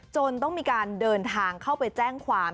จนต้องมีการเดินทางเข้าไปแจ้งความ